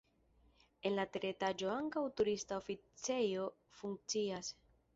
En la teretaĝo ankaŭ turista oficejo funkcias.